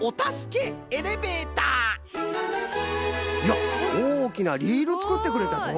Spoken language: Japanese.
やっおおきなリールつくってくれたぞ！